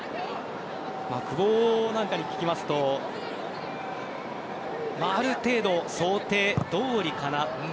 久保なんかに聞きますとある程度、想定どおりかな。